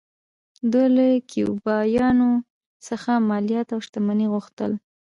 دوی له کیوبایانو څخه مالیات او شتمنۍ غوښتل